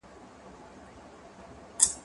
ايا ته امادګي نيسې،